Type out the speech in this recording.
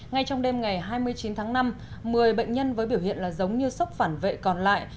ngay trong đêm ngày hai mươi chín tháng năm một mươi bệnh nhân với biểu hiện là giống như sốc phản vệ còn lại